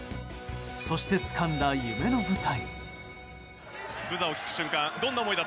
そして、つかんだ夢の舞台。